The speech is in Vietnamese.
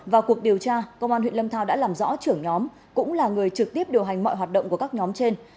vào cuộc điều tra công an huyện lâm thao đã làm rõ trưởng nhóm cũng là người trực tiếp điều hành mọi hoạt động của các nhóm trên